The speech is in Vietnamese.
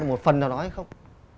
một phần nào đó hay không